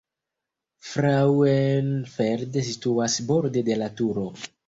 Frauenfeld situas borde de la Turo.